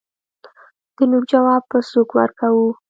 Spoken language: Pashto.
دنوک جواب په سوک ورکوو